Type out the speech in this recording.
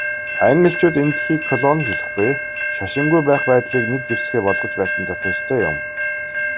Англичууд Энэтхэгийг колоничлохгүй, шашингүй байх байдлыг нэг зэвсгээ болгож байсантай төстэй юм.